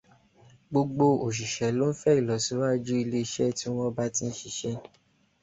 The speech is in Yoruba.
Gbogbo òṣiṣẹ ló n fẹ́ ìlọsíwájú ilé iṣẹ́ tí wọ́n bá tí ń ṣiṣẹ́